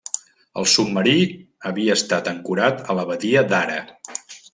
El submarí havia estat ancorat a la badia d'Ara.